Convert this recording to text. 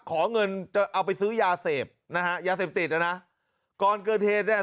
ขอเงินจะเอาไปซื้อยาเสพนะฮะยาเสพติดนะนะก่อนเกิดเหตุเนี่ย